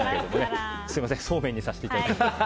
すみませんそうめんにさせていただきたい。